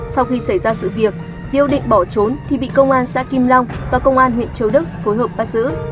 sau khi xảy ra sự việc lý úc định bỏ trốn khi bị công an xã kim long và công an huyện châu đức phối hợp bắt giữ